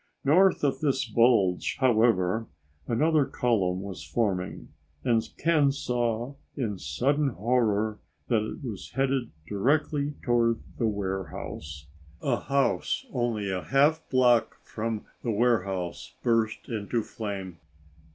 North of this bulge, however, another column was forming, and Ken saw in sudden horror that it was headed directly toward the warehouse! A house only a half block from the warehouse burst into flame.